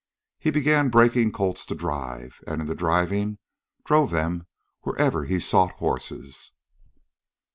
He began breaking colts to drive, and in the driving drove them wherever he sought horses.